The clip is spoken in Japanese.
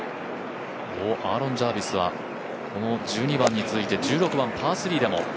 アーロン・ジャービスは、１２番に続いて１６番パー３でも。